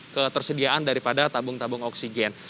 ketersediaan daripada tabung tabung oksigen